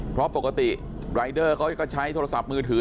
เพราะปกติรายเดอร์เขาก็ใช้โทรศัพท์มือถือ